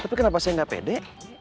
tapi kenapa saya nggak pede